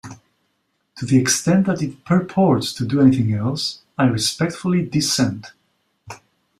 To the extent that it purports to do anything else, I respectfully dissent.